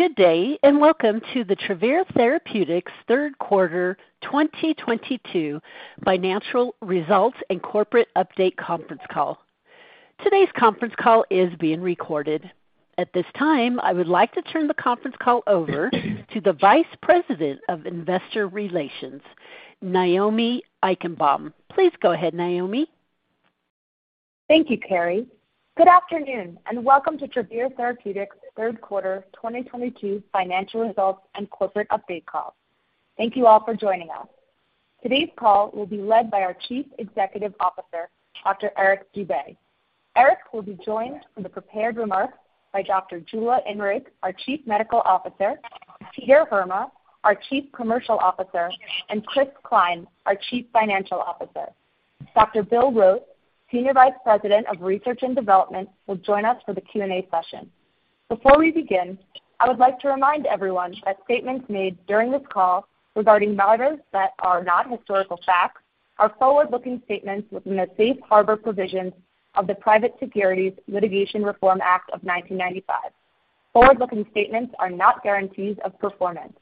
Good day, and welcome to the Travere Therapeutics Third Quarter 2022 Financial Results and Corporate Update Conference Call. Today's conference call is being recorded. At this time, I would like to turn the conference call over to the Vice President of Investor Relations, Naomi Eichenbaum. Please go ahead, Naomi. Thank you, Carrie. Good afternoon, and welcome to Travere Therapeutics Third Quarter 2022 Financial Results and Corporate Update Call. Thank you all for joining us. Today's call will be led by our Chief Executive Officer, Dr. Eric Dube. Eric will be joined for the prepared remarks by Dr. Jula Inrig, our Chief Medical Officer, Peter Heerma, our Chief Commercial Officer, and Chris Cline, our Chief Financial Officer. Dr. William Rote, Senior Vice President of Research and Development, will join us for the Q&A session. Before we begin, I would like to remind everyone that statements made during this call regarding matters that are not historical facts are forward-looking statements within the Safe Harbor provisions of the Private Securities Litigation Reform Act of 1995. Forward-looking statements are not guarantees of performance.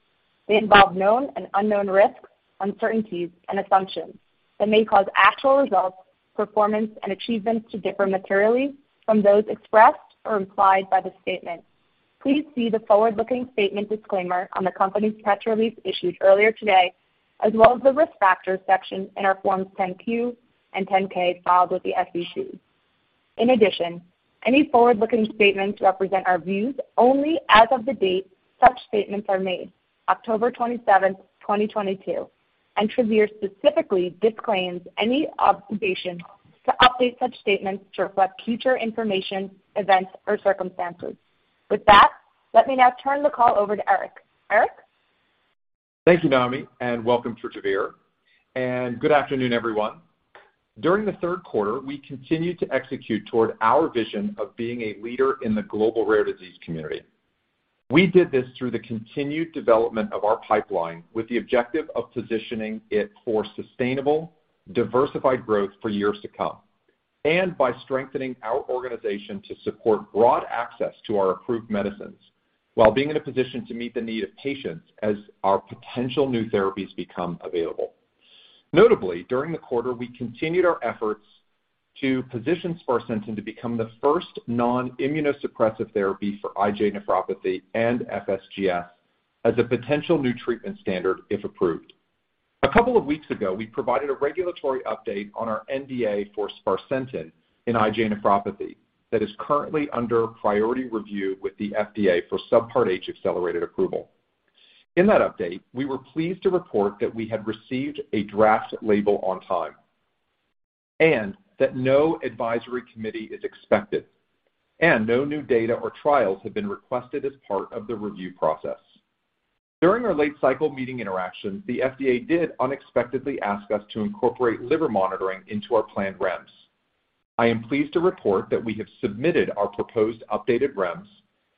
They involve known and unknown risks, uncertainties, and assumptions that may cause actual results, performance, and achievements to differ materially from those expressed or implied by the statement. Please see the forward-looking statement disclaimer on the company's press release issued earlier today, as well as the Risk Factors section in our Form 10-Q and 10-K filed with the SEC. In addition, any forward-looking statements represent our views only as of the date such statements are made, October 27, 2022, and Travere specifically disclaims any obligation to update such statements to reflect future information, events, or circumstances. With that, let me now turn the call over to Eric. Eric? Thank you, Naomi, and welcome to Travere. Good afternoon, everyone. During the third quarter, we continued to execute toward our vision of being a leader in the global rare disease community. We did this through the continued development of our pipeline with the objective of positioning it for sustainable, diversified growth for years to come and by strengthening our organization to support broad access to our approved medicines while being in a position to meet the need of patients as our potential new therapies become available. Notably, during the quarter, we continued our efforts to position sparsentan to become the first non-immunosuppressive therapy for IgA nephropathy and FSGS as a potential new treatment standard if approved. A couple of weeks ago, we provided a regulatory update on our NDA for sparsentan in IgA nephropathy that is currently under priority review with the FDA for Subpart H accelerated approval. In that update, we were pleased to report that we had received a draft label on time and that no advisory committee is expected and no new data or trials have been requested as part of the review process. During our late-cycle meeting interactions, the FDA did unexpectedly ask us to incorporate liver monitoring into our planned REMS. I am pleased to report that we have submitted our proposed updated REMS,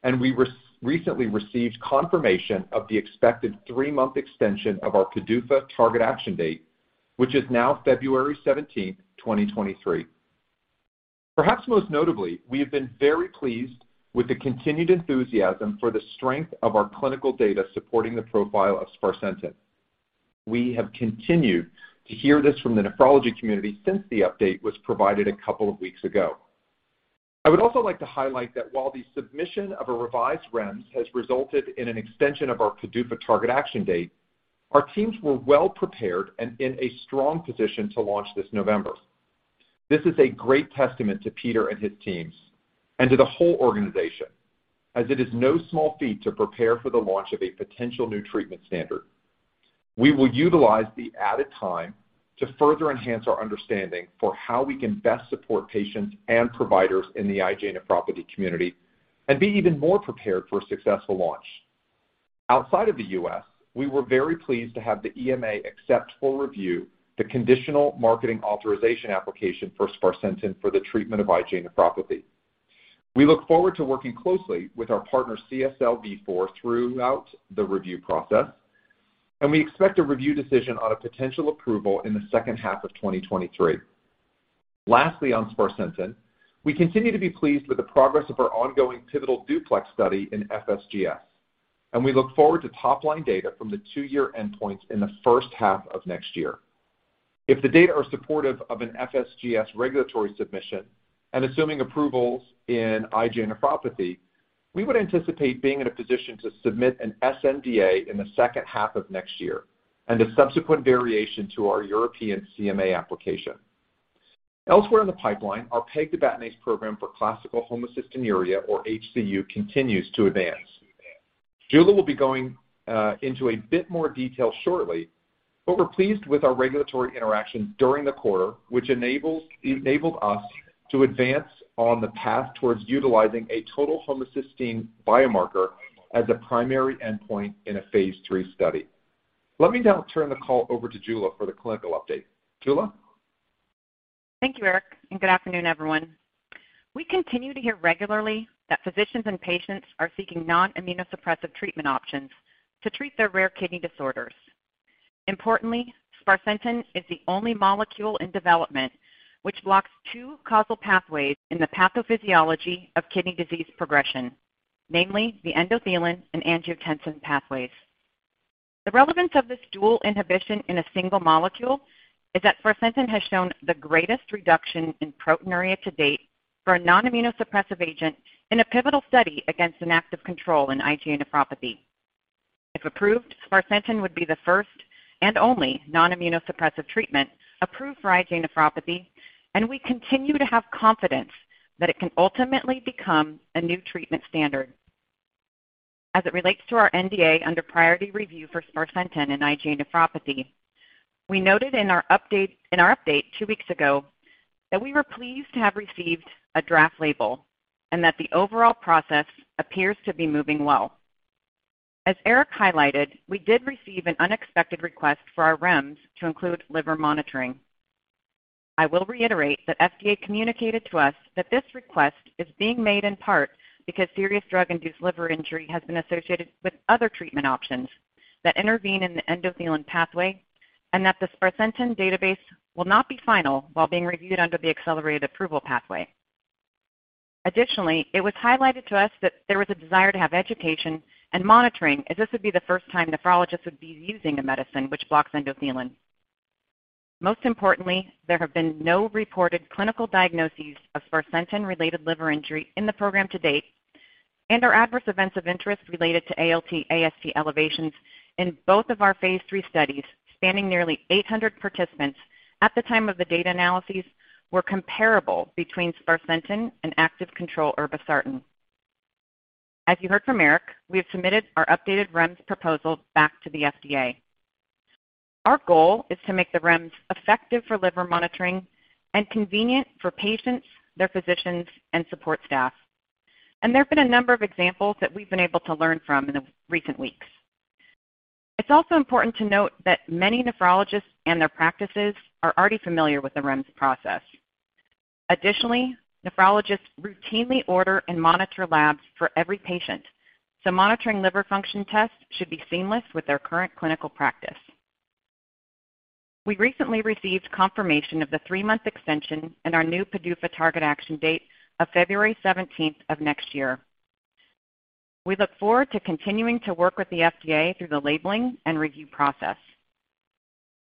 and we recently received confirmation of the expected three-month extension of our PDUFA target action date, which is now February 17, 2023. Perhaps most notably, we have been very pleased with the continued enthusiasm for the strength of our clinical data supporting the profile of sparsentan. We have continued to hear this from the nephrology community since the update was provided a couple of weeks ago. I would also like to highlight that while the submission of a revised REMS has resulted in an extension of our PDUFA target action date, our teams were well-prepared and in a strong position to launch this November. This is a great testament to Peter and his teams and to the whole organization, as it is no small feat to prepare for the launch of a potential new treatment standard. We will utilize the added time to further enhance our understanding for how we can best support patients and providers in the IgA nephropathy community and be even more prepared for a successful launch. Outside of the U.S., we were very pleased to have the EMA accept for review the conditional marketing authorization application for sparsentan for the treatment of IgA nephropathy. We look forward to working closely with our partner CSL Vifor throughout the review process, and we expect a review decision on a potential approval in the second half of 2023. Lastly, on sparsentan, we continue to be pleased with the progress of our ongoing pivotal DUPLEX study in FSGS, and we look forward to top-line data from the two-year endpoints in the first half of next year. If the data are supportive of an FSGS regulatory submission and assuming approvals in IgA nephropathy, we would anticipate being in a position to submit an sNDA in the second half of next year and a subsequent variation to our European CMA application. Elsewhere in the pipeline, our pegtibatinase program for classical homocystinuria or HCU continues to advance. Jula will be going into a bit more detail shortly, but we're pleased with our regulatory interactions during the quarter, which enabled us to advance on the path towards utilizing a total homocysteine biomarker as a primary endpoint in a phase III study. Let me now turn the call over to Jula for the clinical update. Jula? Thank you, Eric, and good afternoon, everyone. We continue to hear regularly that physicians and patients are seeking non-immunosuppressive treatment options to treat their rare kidney disorders. Importantly, sparsentan is the only molecule in development which blocks two causal pathways in the pathophysiology of kidney disease progression, namely the endothelin and angiotensin pathways. The relevance of this dual inhibition in a single molecule is that sparsentan has shown the greatest reduction in proteinuria to date for a non-immunosuppressive agent in a pivotal study against an active control in IgA nephropathy. If approved, sparsentan would be the first and only non-immunosuppressive treatment approved for IgA nephropathy, and we continue to have confidence that it can ultimately become a new treatment standard. As it relates to our NDA under priority review for sparsentan and IgA nephropathy, we noted in our update two weeks ago that we were pleased to have received a draft label and that the overall process appears to be moving well. As Eric highlighted, we did receive an unexpected request for our REMS to include liver monitoring. I will reiterate that FDA communicated to us that this request is being made in part because serious drug-induced liver injury has been associated with other treatment options that intervene in the endothelin pathway and that the sparsentan database will not be final while being reviewed under the accelerated approval pathway. Additionally, it was highlighted to us that there was a desire to have education and monitoring, as this would be the first time nephrologists would be using a medicine which blocks endothelin. Most importantly, there have been no reported clinical diagnoses of sparsentan-related liver injury in the program to date, and our adverse events of interest related to ALT, AST elevations in both of our phase III studies, spanning nearly 800 participants at the time of the data analyses, were comparable between sparsentan and active control irbesartan. As you heard from Eric, we have submitted our updated REMS proposal back to the FDA. Our goal is to make the REMS effective for liver monitoring and convenient for patients, their physicians, and support staff. There have been a number of examples that we've been able to learn from in the recent weeks. It's also important to note that many nephrologists and their practices are already familiar with the REMS process. Additionally, nephrologists routinely order and monitor labs for every patient, so monitoring liver function tests should be seamless with their current clinical practice. We recently received confirmation of the three-month extension and our new PDUFA target action date of February 17th of next year. We look forward to continuing to work with the FDA through the labeling and review process.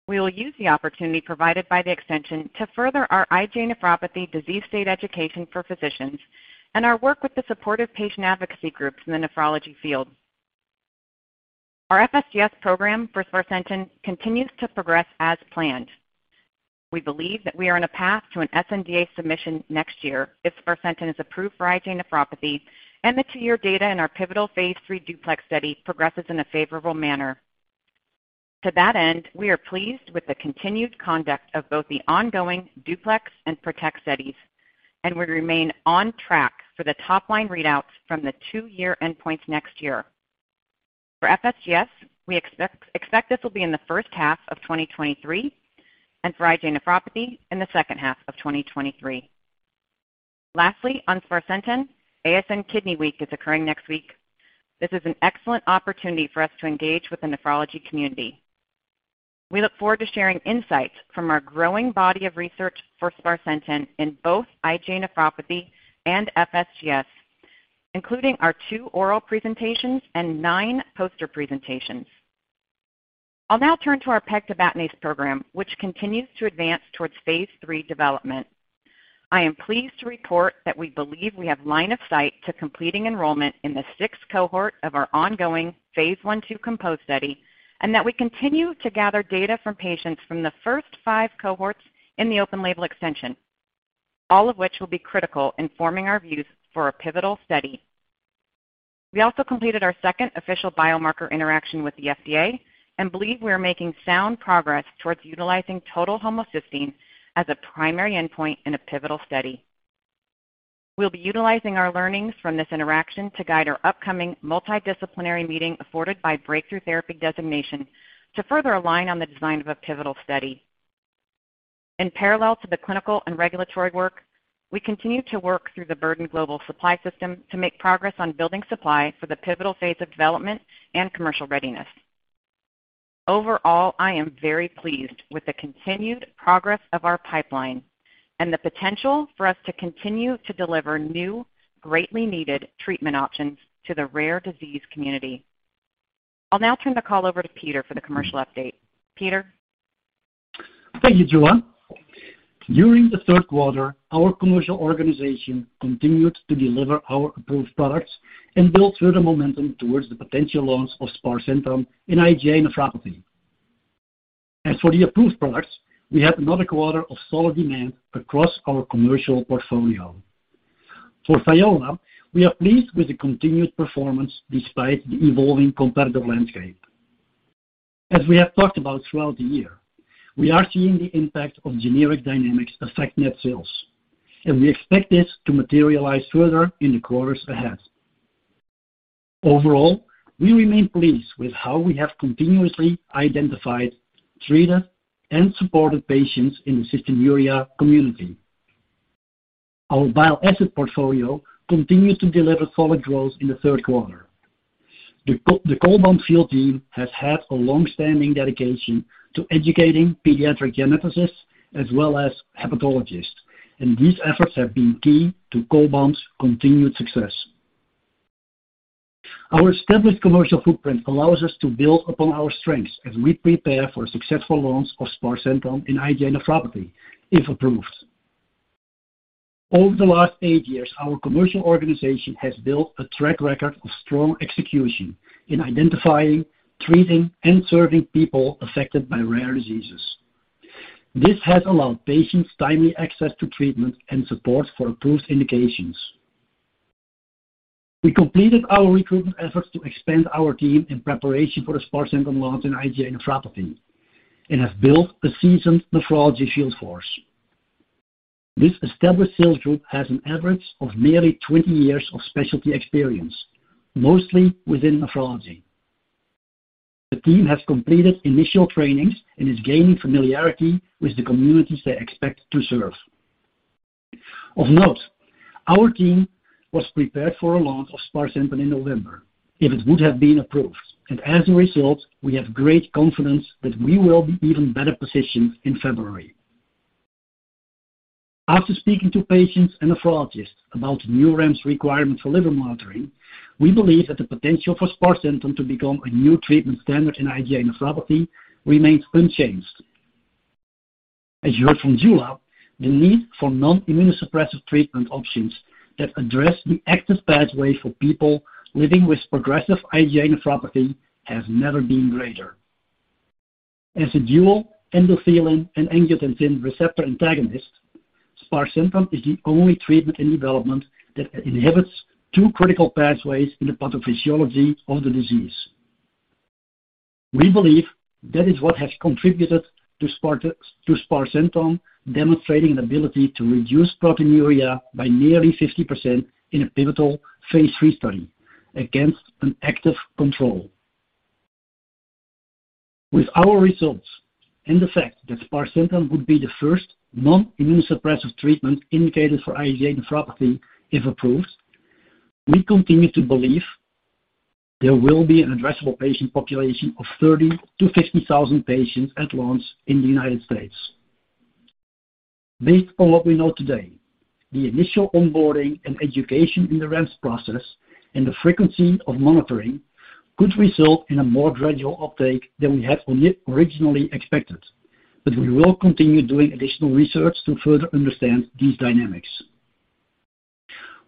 We will use the opportunity provided by the extension to further our IgA nephropathy disease state education for physicians and our work with the supportive patient advocacy groups in the nephrology field. Our FSGS program for sparsentan continues to progress as planned. We believe that we are on a path to an sNDA submission next year if sparsentan is approved for IgA nephropathy and the two-year data in our pivotal phase III DUPLEX study progresses in a favorable manner. To that end, we are pleased with the continued conduct of both the ongoing DUPLEX and PROTECT studies and would remain on track for the top-line readouts from the two-year endpoint next year. For FSGS, we expect this will be in the first half of 2023, and for IgA nephropathy in the second half of 2023. Lastly, on sparsentan, ASN Kidney Week is occurring next week. This is an excellent opportunity for us to engage with the nephrology community. We look forward to sharing insights from our growing body of research for sparsentan in both IgA nephropathy and FSGS, including our two oral presentations and nine poster presentations. I'll now turn to our pegtibatinase program, which continues to advance towards phase III development. I am pleased to report that we believe we have line of sight to completing enrollment in the sixth cohort of our ongoing phase I/II COMPOSE study and that we continue to gather data from patients from the first five cohorts in the open-label extension, all of which will be critical in forming our views for a pivotal study. We also completed our second official biomarker interaction with the FDA and believe we are making sound progress towards utilizing total homocysteine as a primary endpoint in a pivotal study. We'll be utilizing our learnings from this interaction to guide our upcoming multidisciplinary meeting afforded by Breakthrough Therapy Designation to further align on the design of a pivotal study. In parallel to the clinical and regulatory work, we continue to work through the Burden Global Supply System to make progress on building supply for the pivotal phase of development and commercial readiness. Overall, I am very pleased with the continued progress of our pipeline and the potential for us to continue to deliver new, greatly needed treatment options to the rare disease community. I'll now turn the call over to Peter for the commercial update. Peter? Thank you, Jula. During the third quarter, our commercial organization continued to deliver our approved products and build further momentum towards the potential launch of sparsentan in IgA nephropathy. As for the approved products, we had another quarter of solid demand across our commercial portfolio. For Thiola, we are pleased with the continued performance despite the evolving competitive landscape. As we have talked about throughout the year, we are seeing the impact of generic dynamics affect net sales, and we expect this to materialize further in the quarters ahead. Overall, we remain pleased with how we have continuously identified, treated, and supported patients in the cystinuria community. Our bioasset portfolio continues to deliver solid growth in the third quarter. The Chenodal field team has had a long-standing dedication to educating pediatric geneticists as well as hepatologists, and these efforts have been key to Chenodal's continued success. Our established commercial footprint allows us to build upon our strengths as we prepare for successful launch of sparsentan in IgA nephropathy, if approved. Over the last eight years, our commercial organization has built a track record of strong execution in identifying, treating, and serving people affected by rare diseases. This has allowed patients timely access to treatment and support for approved indications. We completed our recruitment efforts to expand our team in preparation for the sparsentan launch in IgA nephropathy and have built a seasoned nephrology field force. This established sales group has an average of nearly 20 years of specialty experience, mostly within nephrology. The team has completed initial trainings and is gaining familiarity with the communities they expect to serve. Of note, our team was prepared for a launch of sparsentan in November, if it would have been approved, and as a result, we have great confidence that we will be even better positioned in February. After speaking to patients and nephrologists about new REMS requirement for liver monitoring, we believe that the potential for sparsentan to become a new treatment standard in IgA nephropathy remains unchanged. As you heard from Jula, the need for non-immunosuppressive treatment options that address the active pathway for people living with progressive IgA nephropathy has never been greater. As a dual endothelin and angiotensin receptor antagonist, sparsentan is the only treatment in development that inhibits two critical pathways in the pathophysiology of the disease. We believe that is what has contributed to sparsentan demonstrating an ability to reduce proteinuria by nearly 50% in a pivotal phase III study against an active control. With our results and the fact that sparsentan would be the first non-immunosuppressive treatment indicated for IgA nephropathy, if approved, we continue to believe there will be an addressable patient population of 30,000-50,000 patients at once in the United States. Based on what we know today, the initial onboarding and education in the REMS process and the frequency of monitoring could result in a more gradual uptake than we had originally expected. We will continue doing additional research to further understand these dynamics.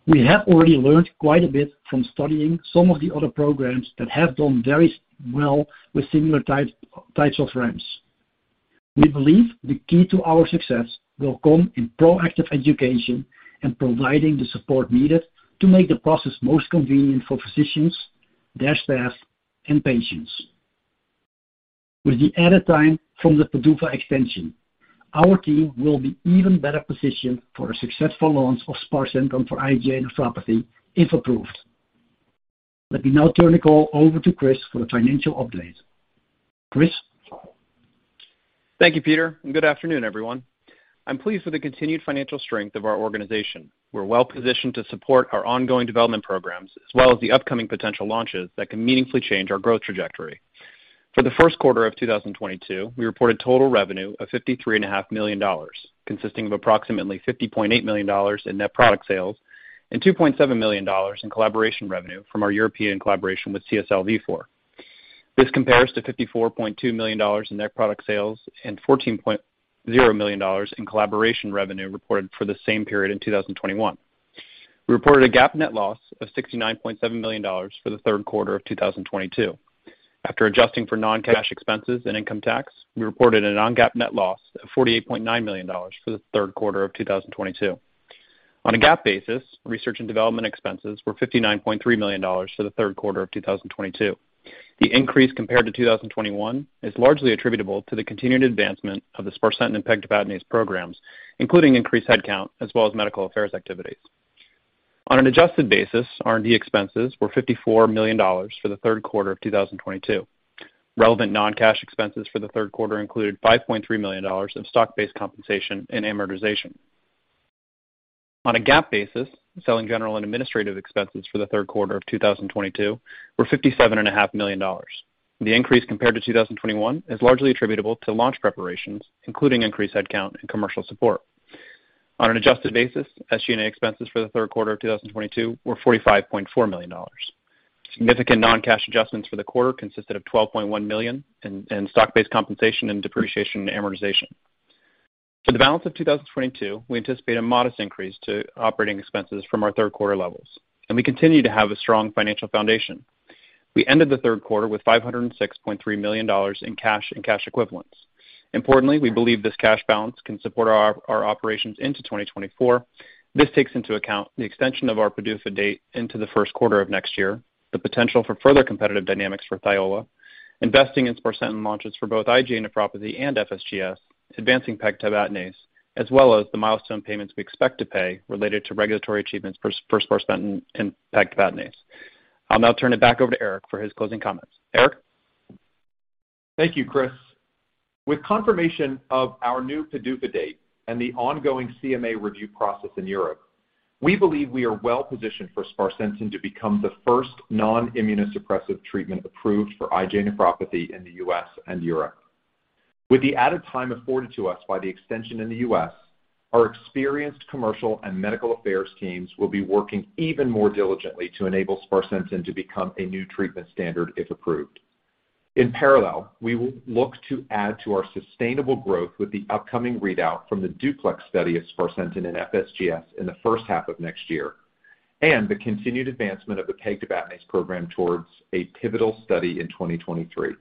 We have already learned quite a bit from studying some of the other programs that have done very well with similar types of REMS. We believe the key to our success will come in proactive education and providing the support needed to make the process most convenient for physicians, their staff, and patients. With the added time from the PDUFA extension, our team will be even better positioned for a successful launch of sparsentan for IgA nephropathy, if approved. Let me now turn the call over to Chris for the financial update. Chris? Thank you, Peter, and good afternoon, everyone. I'm pleased with the continued financial strength of our organization. We're well-positioned to support our ongoing development programs as well as the upcoming potential launches that can meaningfully change our growth trajectory. For the first quarter of 2022, we reported total revenue of $53.5 million, consisting of approximately $50.8 million in net product sales and $2.7 million in collaboration revenue from our European collaboration with CSL Vifor. This compares to $54.2 million in net product sales and $14.0 million in collaboration revenue reported for the same period in 2021. We reported a GAAP net loss of $69.7 million for the third quarter of 2022. After adjusting for non-cash expenses and income tax, we reported a non-GAAP net loss of $48.9 million for the third quarter of 2022. On a GAAP basis, research and development expenses were $59.3 million for the third quarter of 2022. The increase compared to 2021 is largely attributable to the continued advancement of the sparsentan and pegtibatinase programs, including increased headcount as well as medical affairs activities. On an adjusted basis, R&D expenses were $54 million for the third quarter of 2022. Relevant non-cash expenses for the third quarter included $5.3 million of stock-based compensation and amortization. On a GAAP basis, selling general and administrative expenses for the third quarter of 2022 were $57 and a half million. The increase compared to 2021 is largely attributable to launch preparations, including increased headcount and commercial support. On an adjusted basis, SG&A expenses for the third quarter of 2022 were $45.4 million. Significant non-cash adjustments for the quarter consisted of $12.1 million in stock-based compensation and depreciation and amortization. For the balance of 2022, we anticipate a modest increase to operating expenses from our third quarter levels, and we continue to have a strong financial foundation. We ended the third quarter with $506.3 million in cash and cash equivalents. Importantly, we believe this cash balance can support our operations into 2024. This takes into account the extension of our PDUFA date into the first quarter of next year, the potential for further competitive dynamics for Thiola, investing in sparsentan launches for both IgA nephropathy and FSGS, advancing pegtibatinase, as well as the milestone payments we expect to pay related to regulatory achievements for sparsentan and pegtibatinase. I'll now turn it back over to Eric for his closing comments. Eric? Thank you, Chris. With confirmation of our new PDUFA date and the ongoing CMA review process in Europe, we believe we are well positioned for sparsentan to become the first non-immunosuppressive treatment approved for IgA nephropathy in the U.S. and Europe. With the added time afforded to us by the extension in the U.S., our experienced commercial and medical affairs teams will be working even more diligently to enable sparsentan to become a new treatment standard if approved. In parallel, we will look to add to our sustainable growth with the upcoming readout from the DUPLEX study of sparsentan in FSGS in the first half of next year, and the continued advancement of the pegtibatinase program towards a pivotal study in 2023.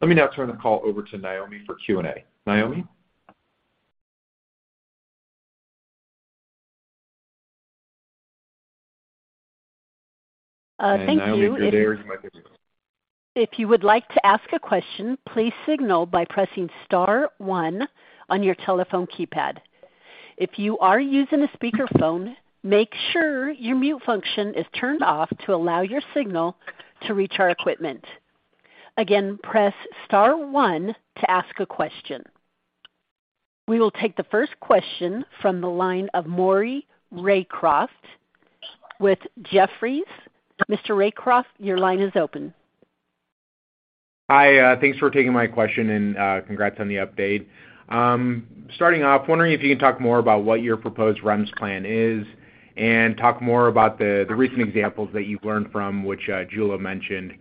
Let me now turn the call over to Naomi for Q&A. Naomi? Thank you. Naomi, if you're there, you might If you would like to ask a question, please signal by pressing star 1 on your telephone keypad. If you are using a speakerphone, make sure your mute function is turned off to allow your signal to reach our equipment. Again, press star 1 to ask a question. We will take the first question from the line of Maury Raycroft with Jefferies. Mr. Raycroft, your line is open. Hi, thanks for taking my question, and congrats on the update. Starting off, wondering if you can talk more about what your proposed REMS plan is and talk more about the recent examples that you've learned from which Jula mentioned.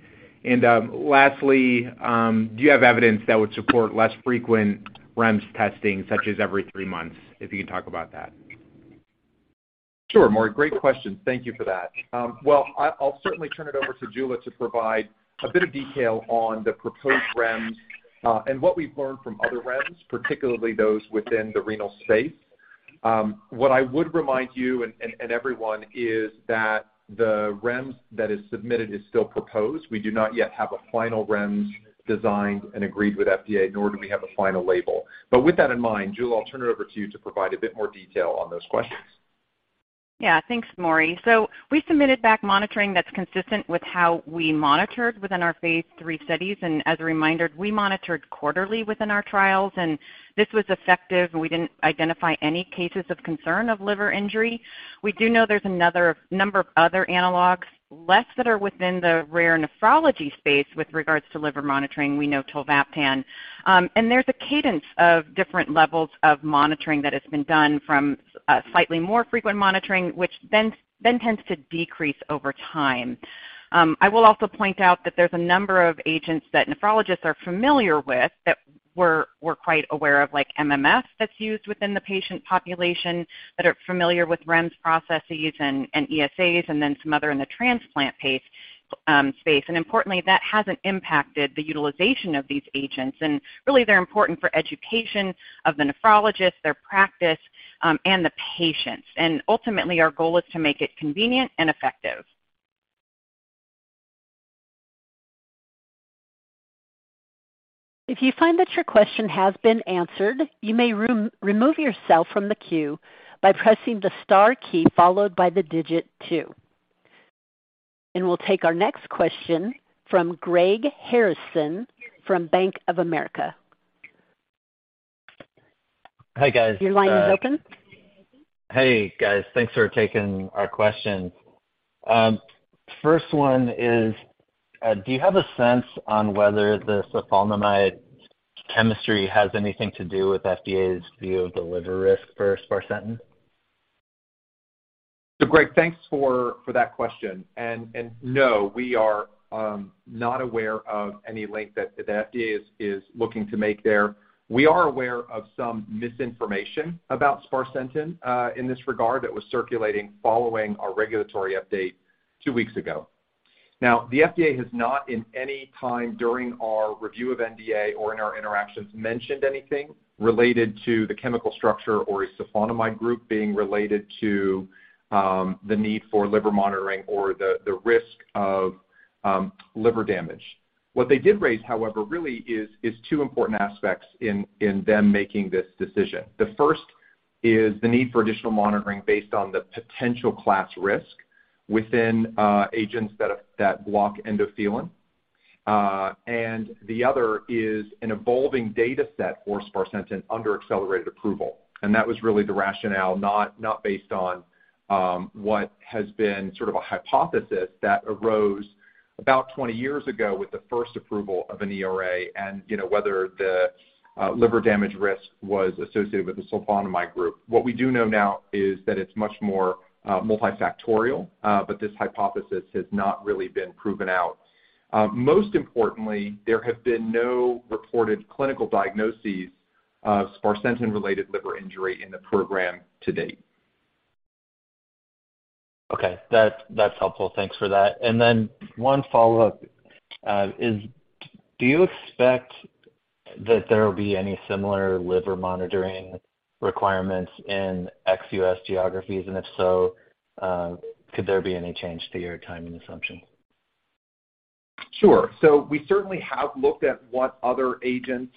Lastly, do you have evidence that would support less frequent REMS testing such as every three months? If you can talk about that. Sure, Maury. Great question. Thank you for that. I'll certainly turn it over to Jula to provide a bit of detail on the proposed REMS, and what we've learned from other REMS, particularly those within the renal space. What I would remind you and everyone, is that the REMS that is submitted is still proposed. We do not yet have a final REMS designed and agreed with FDA, nor do we have a final label. With that in mind, Jula, I'll turn it over to you to provide a bit more detail on those questions. Yeah. Thanks, Maury. We submitted risk-based monitoring that's consistent with how we monitored within our phase III studies. As a reminder, we monitored quarterly within our trials, and this was effective, and we didn't identify any cases of concern of liver injury. We do know there's a number of other analogs like that are within the rare nephrology space with regards to liver monitoring. We know tolvaptan. There's a cadence of different levels of monitoring that has been done from slightly more frequent monitoring, which then tends to decrease over time. I will also point out that there's a number of agents that nephrologists are familiar with that we're quite aware of, like MMF, that's used within the patient population, that are familiar with REMS processes and ESAs, and then some other in the transplant space. Importantly, that hasn't impacted the utilization of these agents. Really, they're important for education of the nephrologist, their practice, and the patients. Ultimately, our goal is to make it convenient and effective. If you find that your question has been answered, you may remove yourself from the queue by pressing the star key followed by the digit 2. We'll take our next question from Greg Harrison from Bank of America. Hi, guys. Your line is open. Hey, guys. Thanks for taking our questions. First one is, do you have a sense on whether the sulfonamide chemistry has anything to do with FDA's view of the liver risk for sparsentan? Greg, thanks for that question. No, we are not aware of any link that the FDA is looking to make there. We are aware of some misinformation about sparsentan in this regard that was circulating following our regulatory update two weeks ago. Now, the FDA has not in any time during our review of NDA or in our interactions mentioned anything related to the chemical structure or a sulfonamide group being related to the need for liver monitoring or the risk of liver damage. What they did raise, however, is two important aspects in them making this decision. The first is the need for additional monitoring based on the potential class risk within agents that block endothelin. The other is an evolving data set for sparsentan under accelerated approval. That was really the rationale, not based on what has been sort of a hypothesis that arose about 20 years ago with the first approval of an ERA and, you know, whether the liver damage risk was associated with the sulfonamide group. What we do know now is that it's much more multifactorial, but this hypothesis has not really been proven out. Most importantly, there have been no reported clinical diagnoses of sparsentan-related liver injury in the program to date. Okay. That's helpful. Thanks for that. One follow-up, is do you expect that there will be any similar liver monitoring requirements in ex-U.S. geographies? If so, could there be any change to your timing assumption? Sure. We certainly have looked at what other agents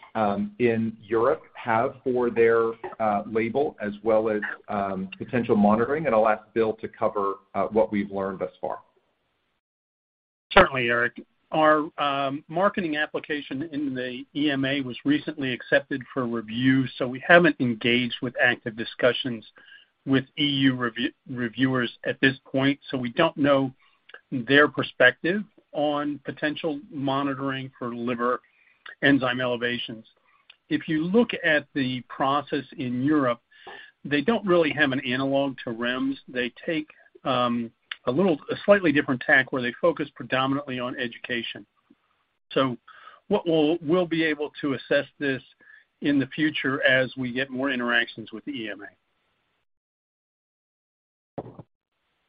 in Europe have for their label as well as potential monitoring. I'll ask Bill to cover what we've learned thus far. Certainly, Eric. Our marketing application in the EMA was recently accepted for review, so we haven't engaged with active discussions with E.U. reviewers at this point, so we don't know their perspective on potential monitoring for liver enzyme elevations. If you look at the process in Europe, they don't really have an analog to REMS. They take a slightly different tack where they focus predominantly on education. What we'll be able to assess this in the future as we get more interactions with the EMA.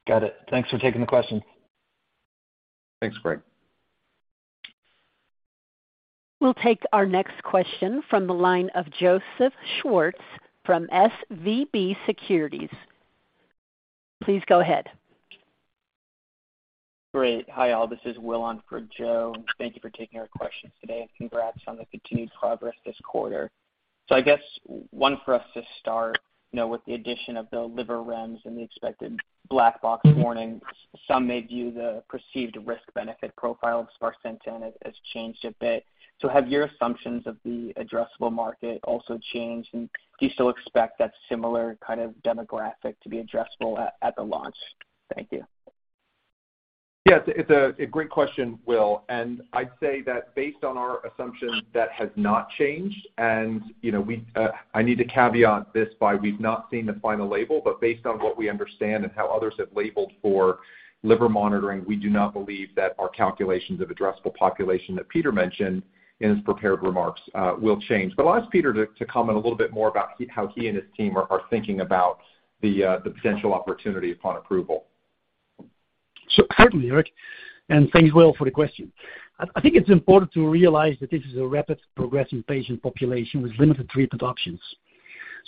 Got it. Thanks for taking the question. Thanks, Greg. We'll take our next question from the line of Joseph Schwartz from SVB Securities. Please go ahead. Great. Hi, all. This is Will on for Joe. Thank you for taking our questions today. Congrats on the continued progress this quarter. I guess one for us to start, you know, with the addition of the liver REMS and the expected black box warning, some may view the perceived risk-benefit profile of sparsentan as changed a bit. Have your assumptions of the addressable market also changed, and do you still expect that similar kind of demographic to be addressable at the launch? Thank you. Yes, it's a great question, Will, and I'd say that based on our assumptions that has not changed. You know, I need to caveat this by we've not seen the final label, but based on what we understand and how others have labeled for liver monitoring, we do not believe that our calculations of addressable population that Peter mentioned in his prepared remarks will change. I'll ask Peter to comment a little bit more about how he and his team are thinking about the potential opportunity upon approval. Certainly, Eric, and thanks, Will, for the question. I think it's important to realize that this is a rapid progressing patient population with limited treatment options.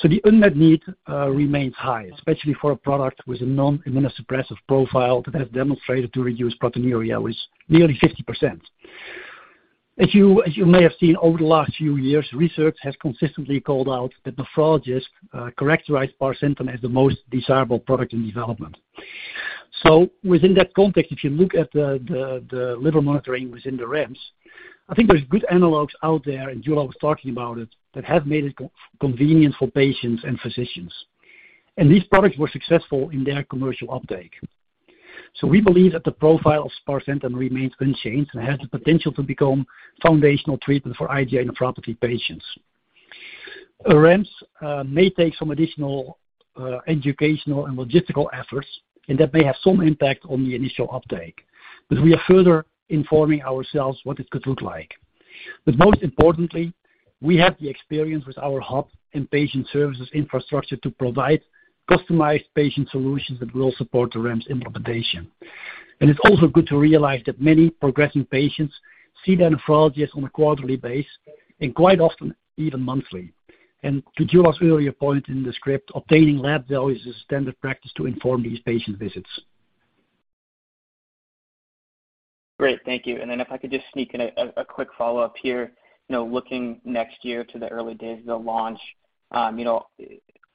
The unmet need remains high, especially for a product with a non-immunosuppressive profile that has demonstrated to reduce proteinuria with nearly 50%. As you may have seen over the last few years, research has consistently called out that nephrologists characterize sparsentan as the most desirable product in development. Within that context, if you look at the liver monitoring within the REMS, I think there's good analogs out there, and Jula was talking about it, that have made it convenient for patients and physicians. These products were successful in their commercial uptake. We believe that the profile of sparsentan remains unchanged and has the potential to become foundational treatment for IgA nephropathy patients. REMS may take some additional educational and logistical efforts, and that may have some impact on the initial uptake. We are further informing ourselves what it could look like. Most importantly, we have the experience with our hub and patient services infrastructure to provide customized patient solutions that will support the REMS implementation. It's also good to realize that many progressing patients see their nephrologist on a quarterly basis and quite often even monthly. To Jula's earlier point in the script, obtaining labs, though, is a standard practice to inform these patient visits. Great. Thank you. If I could just sneak in a quick follow-up here. You know, looking next year to the early days of the launch, you know,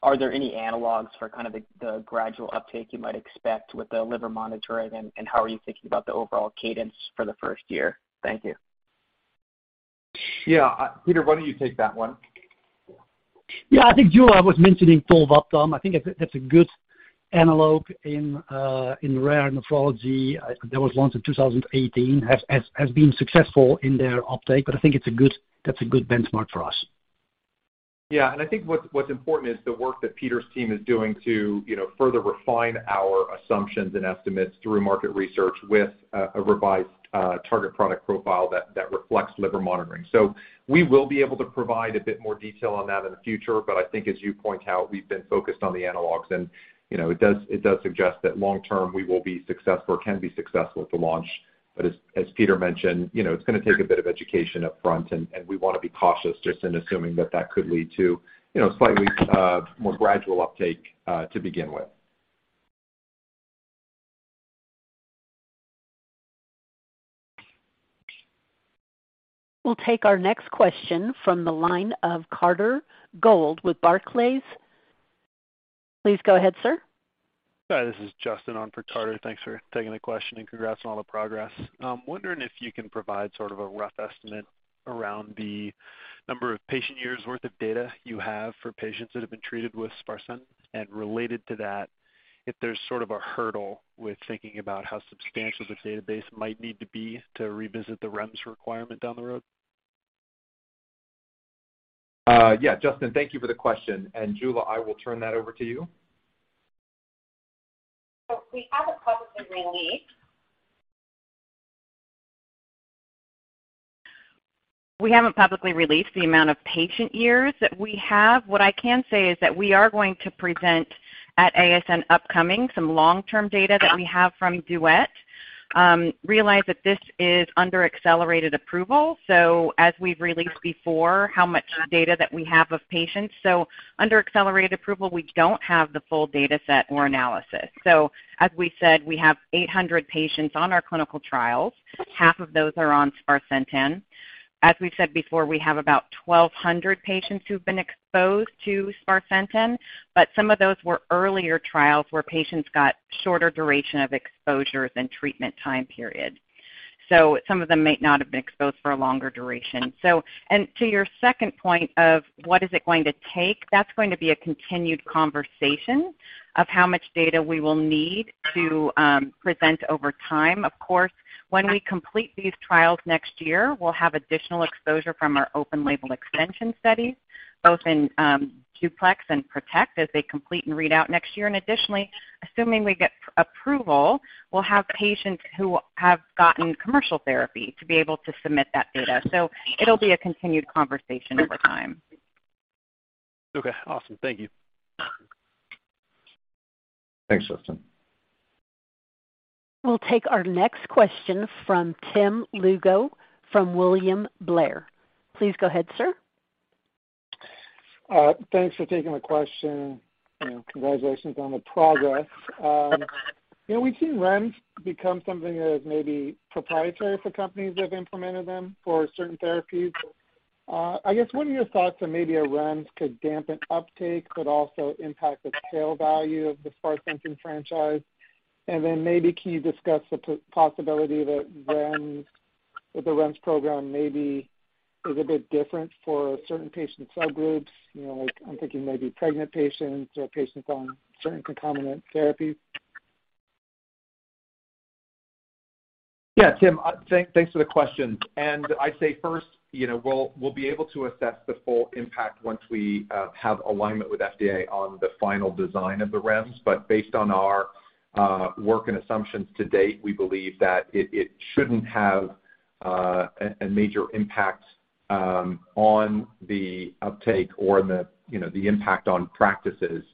are there any analogs for kind of the gradual uptake you might expect with the liver monitoring, and how are you thinking about the overall cadence for the first year? Thank you. Yeah. Peter, why don't you take that one? Yeah. I think Jula was mentioning tolvaptan. I think that's a good analog in rare nephrology that was launched in 2018, has been successful in their uptake. I think that's a good benchmark for us. Yeah. I think what's important is the work that Peter's team is doing to, you know, further refine our assumptions and estimates through market research with a revised target product profile that reflects liver monitoring. We will be able to provide a bit more detail on that in the future. I think as you point out, we've been focused on the analogs and, you know, it does suggest that long term, we will be successful or can be successful at the launch. As Peter mentioned, you know, it's gonna take a bit of education upfront, and we wanna be cautious just in assuming that that could lead to, you know, slightly more gradual uptake to begin with. We'll take our next question from the line of Carter Gould with Barclays. Please go ahead, sir. Hi, this is Justin on for Carter. Thanks for taking the question and congrats on all the progress. Wondering if you can provide sort of a rough estimate around the number of patient years worth of data you have for patients that have been treated with sparsentan. Related to that, if there's sort of a hurdle with thinking about how substantial the database might need to be to revisit the REMS requirement down the road. Yeah. Justin, thank you for the question. Jula, I will turn that over to you. We haven't publicly released the amount of patient years that we have. What I can say is that we are going to present at upcoming ASN Kidney Week some long-term data that we have from DUET. Realize that this is under accelerated approval, so as we've released before, how much data that we have of patients. Under accelerated approval, we don't have the full data set or analysis. As we said, we have 800 patients on our clinical trials. Half of those are on sparsentan. As we've said before, we have about 1,200 patients who've been exposed to sparsentan, but some of those were earlier trials where patients got shorter duration of exposure than treatment time period. Some of them might not have been exposed for a longer duration. To your second point of what is it going to take, that's going to be a continued conversation of how much data we will need to present over time. Of course, when we complete these trials next year, we'll have additional exposure from our open label extension studies, both in DUPLEX and PROTECT as they complete and read out next year. Additionally, assuming we get approval, we'll have patients who have gotten commercial therapy to be able to submit that data. It'll be a continued conversation over time. Okay, awesome. Thank you. Thanks, Justin. We'll take our next question from Tim Lugo from William Blair. Please go ahead, sir. Thanks for taking the question and congratulations on the progress. You know, we've seen REMS become something that is maybe proprietary for companies that have implemented them for certain therapies. I guess what are your thoughts on maybe a REMS could dampen uptake, could also impact the sales value of the sparsentan franchise? Then maybe can you discuss the possibility that REMS or the REMS program maybe is a bit different for certain patient subgroups? You know, like I'm thinking maybe pregnant patients or patients on certain concomitant therapy. Yeah, Tim, thanks for the question. I'd say first, you know, we'll be able to assess the full impact once we have alignment with FDA on the final design of the REMS. Based on our work and assumptions to date, we believe that it shouldn't have a major impact on the uptake or the impact on practices.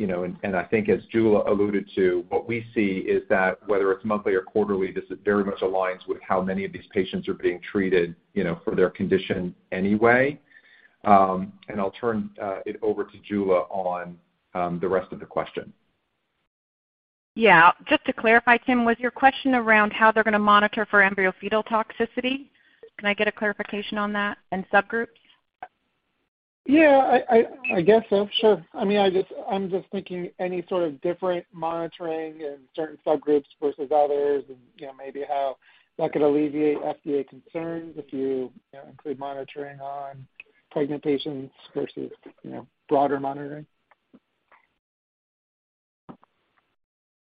You know, I think as Jula alluded to, what we see is that whether it's monthly or quarterly, this very much aligns with how many of these patients are being treated, you know, for their condition anyway. I'll turn it over to Jula on the rest of the question. Yeah. Just to clarify, Tim, was your question around how they're gonna monitor for embryo fetal toxicity? Can I get a clarification on that and subgroups? Yeah. I guess so. Sure. I mean, I'm just thinking any sort of different monitoring in certain subgroups versus others and, you know, maybe how that could alleviate FDA concerns if you know, include monitoring on pregnant patients versus, you know, broader monitoring.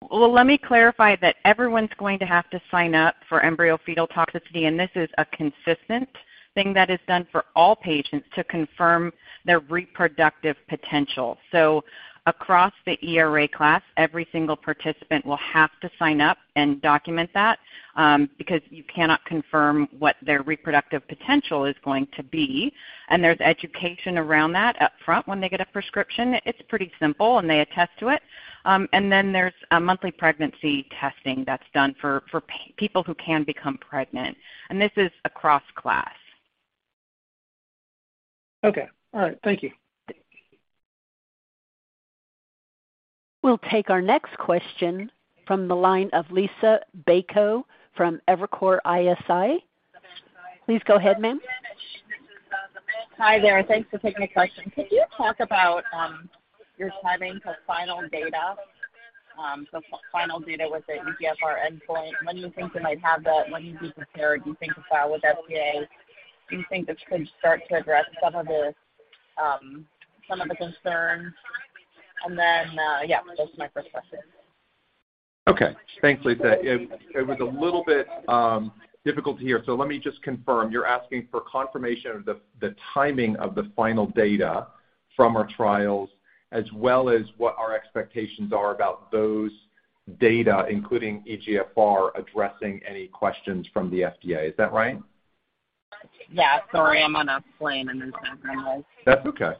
Well, let me clarify that everyone's going to have to sign up for embryo-fetal toxicity, and this is a consistent thing that is done for all patients to confirm their reproductive potential. Across the ERA class, every single participant will have to sign up and document that, because you cannot confirm what their reproductive potential is going to be. There's education around that up front when they get a prescription. It's pretty simple, and they attest to it. Then there's a monthly pregnancy testing that's done for people who can become pregnant. This is across class. Okay. All right. Thank you. We'll take our next question from the line of Liisa Bayko from Evercore ISI. Please go ahead, ma'am. Hi there. Thanks for taking the question. Could you talk about your timing for final data with the EGFR endpoint? When do you think you might have that? When do you think to file with FDA? Do you think this could start to address some of the concerns? Yeah, that's my first question. Okay. Thanks, Liisa. It was a little bit difficult to hear. So let me just confirm. You're asking for confirmation of the timing of the final data from our trials as well as what our expectations are about those data, including EGFR addressing any questions from the FDA. Is that right? Yeah. Sorry, I'm on a plane, and there's some noise. That's okay.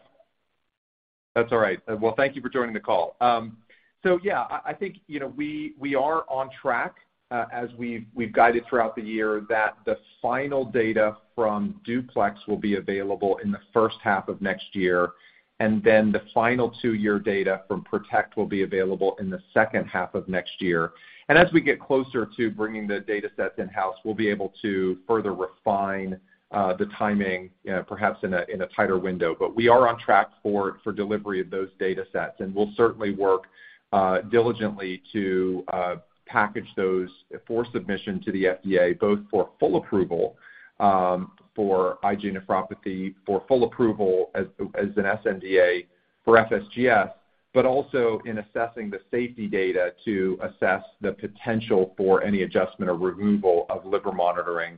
That's all right. Well, thank you for joining the call. Yeah. I think, you know, we are on track, as we've guided throughout the year that the final data from DUPLEX will be available in the first half of next year, and then the final two-year data from PROTECT will be available in the second half of next year. As we get closer to bringing the datasets in-house, we'll be able to further refine the timing, perhaps in a tighter window. We are on track for delivery of those datasets, and we'll certainly work diligently to package those for submission to the FDA, both for full approval for IgA nephropathy, for full approval as an sNDA for FSGS, but also in assessing the safety data to assess the potential for any adjustment or removal of liver monitoring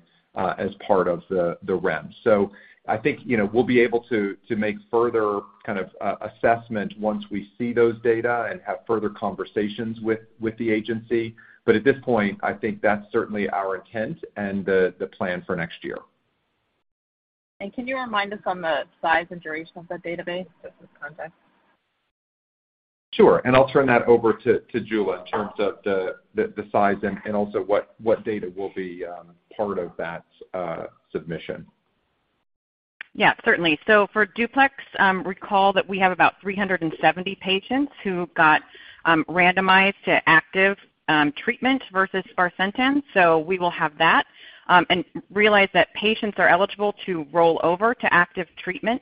as part of the REMS. I think, you know, we'll be able to make further kind of assessment once we see those data and have further conversations with the agency. At this point, I think that's certainly our intent and the plan for next year. Can you remind us on the size and duration of the database, just as context? Sure. I'll turn that over to Jula in terms of the size and also what data will be part of that submission. Yeah, certainly. For DUPLEX, recall that we have about 370 patients who got randomized to active treatment versus sparsentan. We will have that, and realize that patients are eligible to roll over to active treatment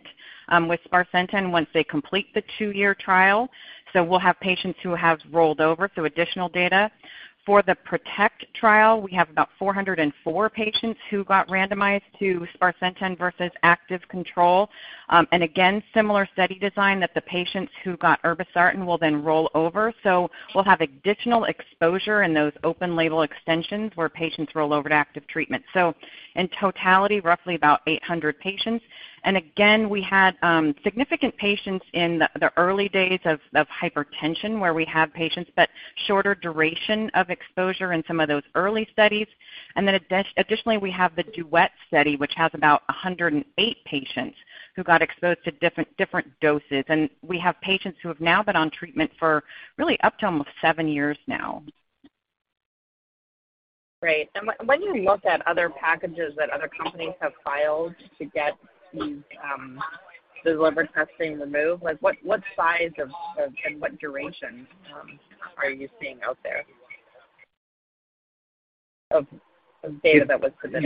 with sparsentan once they complete the two-year trial. We'll have patients who have rolled over, so additional data. For the PROTECT trial, we have about 404 patients who got randomized to sparsentan versus active control. Again, similar study design that the patients who got irbesartan will then roll over. We'll have additional exposure in those open label extensions where patients roll over to active treatment. In totality, roughly about 800 patients. Again, we had significant patients in the early days of hypertension where we have patients, but shorter duration of exposure in some of those early studies. Then additionally, we have the DUET study, which has about 108 patients who got exposed to different doses. We have patients who have now been on treatment for really up to almost seven years now. Great. When you look at other packages that other companies have filed to get these, the liver testing removed, like what size of, and what duration, are you seeing out there? Of data that was presented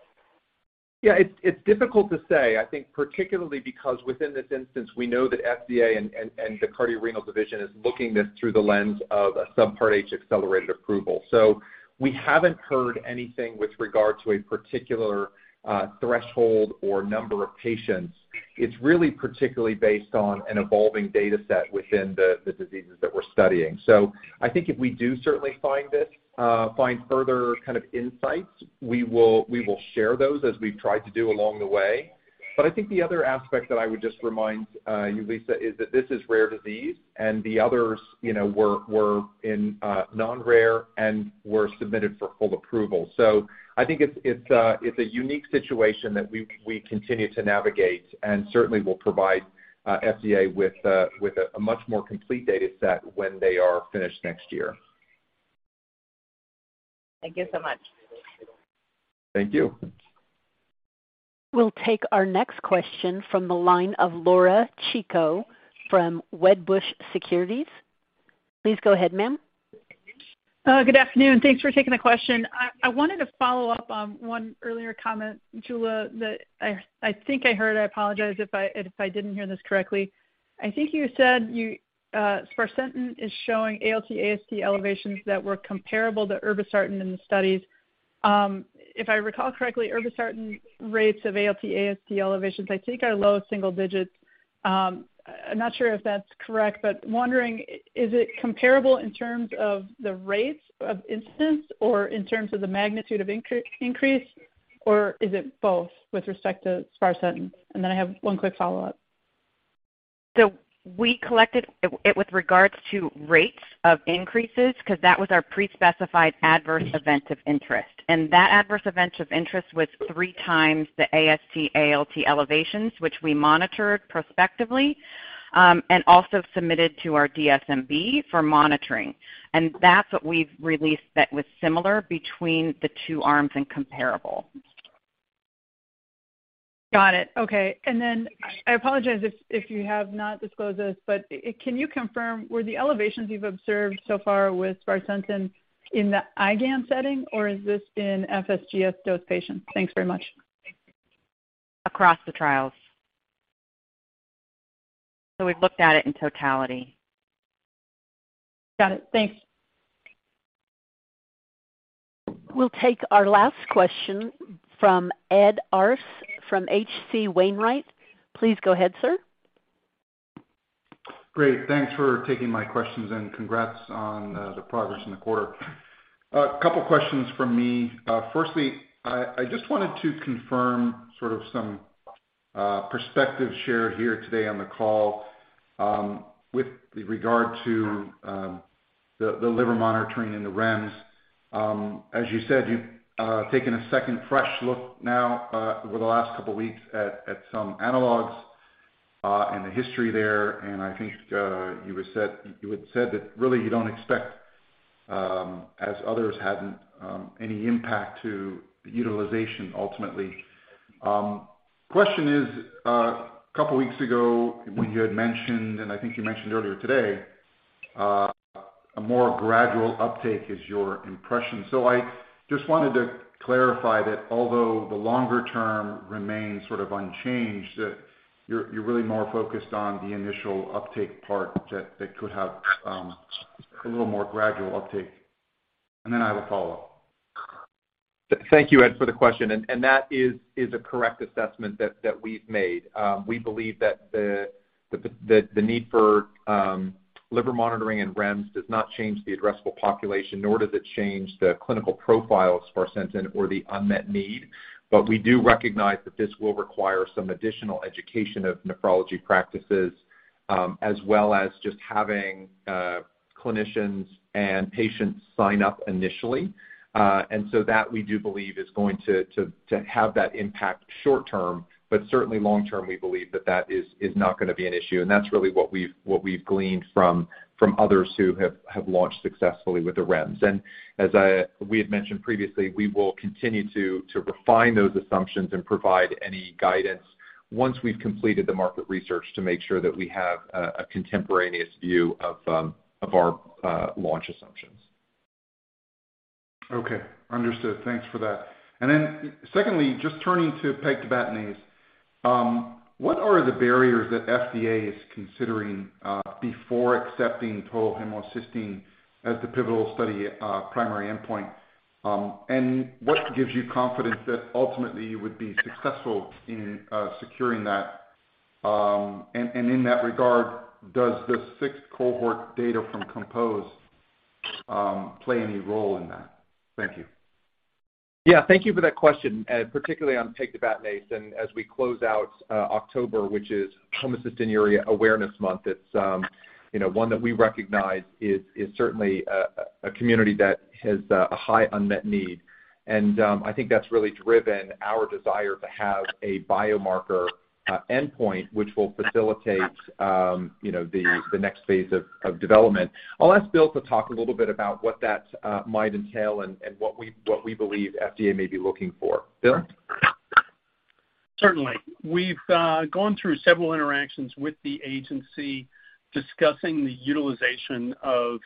[inaudible] Yeah. It's difficult to say, I think particularly because within this instance we know that FDA and the cardio-renal division is looking this through the lens of a Subpart H accelerated approval. We haven't heard anything with regard to a particular threshold or number of patients. It's really particularly based on an evolving data set within the diseases that we're studying. I think if we do certainly find further kind of insights, we will share those as we've tried to do along the way. I think the other aspect that I would just remind you, Liisa, is that this is rare disease and the others, you know, were in non-rare and were submitted for full approval. I think it's a unique situation that we continue to navigate and certainly will provide FDA with a much more complete data set when they are finished next year. Thank you so much. Thank you. We'll take our next question from the line of Laura Chico from Wedbush Securities. Please go ahead, ma'am. Good afternoon. Thanks for taking the question. I wanted to follow up on one earlier comment, Jula, that I think I heard. I apologize if I didn't hear this correctly. I think you said sparsentan is showing ALT/AST elevations that were comparable to irbesartan in the studies. If I recall correctly, irbesartan rates of ALT/AST elevations, I think are low single digits. I'm not sure if that's correct, but wondering is it comparable in terms of the rates of incidence or in terms of the magnitude of increase, or is it both with respect to sparsentan? Then I have one quick follow-up. We collected it with regards to rates of increases 'cause that was our pre-specified adverse event of interest. That adverse event of interest was three times the AST/ALT elevations, which we monitored prospectively, and also submitted to our DSMB for monitoring. That's what we've released that was similar between the two arms and comparable. Got it. Okay. I apologize if you have not disclosed this, but can you confirm where the elevations you've observed so far with sparsentan in the IGAN setting or is this in FSGS dosed patients? Thanks very much. Across the trials. We've looked at it in totality. Got it. Thanks. We'll take our last question from Ed Arce from H.C. Wainwright. Please go ahead, sir. Great. Thanks for taking my questions and congrats on the progress in the quarter. A couple questions from me. Firstly, I just wanted to confirm sort of some perspective shared here today on the call with regard to the liver monitoring and the REMS. As you said, you've taken a second fresh look now over the last couple weeks at some analogs and the history there. I think you had said that really you don't expect, as others hadn't, any impact to the utilization ultimately. Question is, a couple weeks ago when you had mentioned, and I think you mentioned earlier today, a more gradual uptake is your impression? I just wanted to clarify that although the longer term remains sort of unchanged, that you're really more focused on the initial uptake part that could have a little more gradual uptake. I have a follow-up. Thank you, Ed, for the question. That is a correct assessment that we've made. We believe that the need for liver monitoring and REMS does not change the addressable population, nor does it change the clinical profile of sparsentan or the unmet need. We do recognize that this will require some additional education of nephrology practices, as well as just having clinicians and patients sign up initially. That we do believe is going to have that impact short term, but certainly long term, we believe that that is not gonna be an issue. That's really what we've gleaned from others who have launched successfully with the REMS. As we had mentioned previously, we will continue to refine those assumptions and provide any guidance once we've completed the market research to make sure that we have a contemporaneous view of our launch assumptions. Okay. Understood. Thanks for that. Secondly, just turning to pegtibatinase, what are the barriers that FDA is considering before accepting total homocysteine as the pivotal study primary endpoint? And what gives you confidence that ultimately you would be successful in securing that? And in that regard, does the sixth cohort data from COMPOSE play any role in that? Thank you. Yeah. Thank you for that question, particularly on pegtibatinase. As we close out October, which is Homocystinuria Awareness Month, it's, you know, one that we recognize is certainly a community that has a high unmet need. I think that's really driven our desire to have a biomarker endpoint which will facilitate, you know, the next phase of development. I'll ask Bill to talk a little bit about what that might entail and what we believe FDA may be looking for. Bill? Certainly. We've gone through several interactions with the agency discussing the utilization of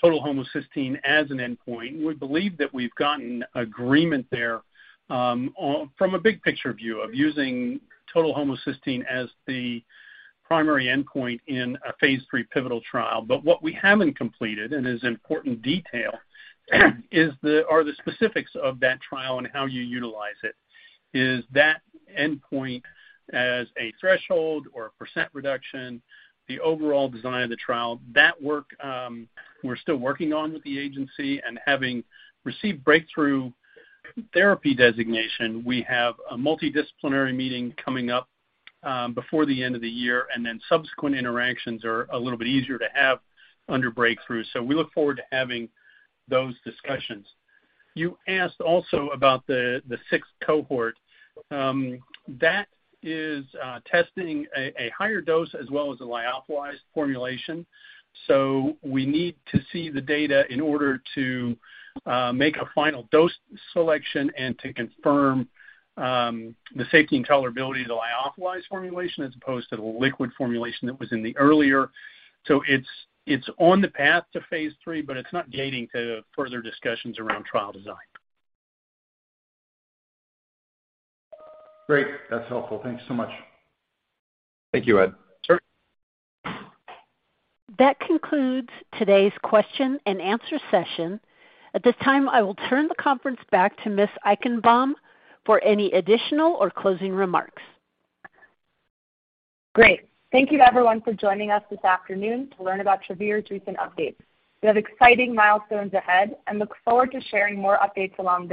total homocysteine as an endpoint. We believe that we've gotten agreement there, on from a big picture view of using total homocysteine as the primary endpoint in a phase III pivotal trial. What we haven't completed, and is important detail, are the specifics of that trial and how you utilize it. Is that endpoint as a threshold or a percent reduction, the overall design of the trial? That work, we're still working on with the agency. Having received Breakthrough Therapy Designation, we have a multidisciplinary meeting coming up, before the end of the year, and then subsequent interactions are a little bit easier to have under breakthrough. We look forward to having those discussions. You asked also about the sixth cohort. That is testing a higher dose as well as a lyophilized formulation. We need to see the data in order to make a final dose selection and to confirm the safety and tolerability of the lyophilized formulation as opposed to the liquid formulation that was in the earlier. It's on the path to phase III, but it's not gating to further discussions around trial design. Great. That's helpful. Thank you so much. Thank you, Ed. Sure. That concludes today's question and answer session. At this time, I will turn the conference back to Ms. Eichenbaum for any additional or closing remarks. Great. Thank you to everyone for joining us this afternoon to learn about Travere's recent updates. We have exciting milestones ahead and look forward to sharing more updates along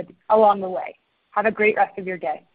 the way. Have a great rest of your day. Bye-bye.